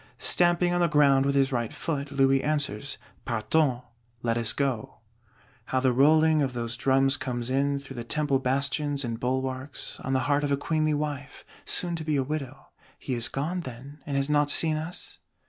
"Stamping on the ground with his right foot, Louis answers: 'Partons' (Let us go)." How the rolling of those drums comes in, through the Temple bastions and bulwarks, on the heart of a queenly wife; soon to be a widow! He is gone, then, and has not seen us?